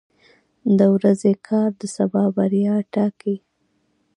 • د ورځې کار د سبا بریا ټاکي.